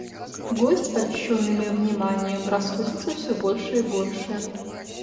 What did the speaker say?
Гость, польщенный моим вниманием, расходится всё больше и больше.